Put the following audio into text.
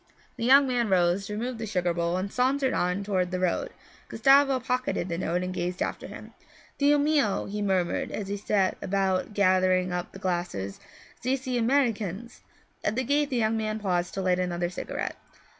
The young man rose, removed the sugar bowl, and sauntered on toward the road. Gustavo pocketed the notes and gazed after him. 'Dio mio,' he murmured as he set about gathering up the glasses, 'zese Americans!' At the gate the young man paused to light another cigarette.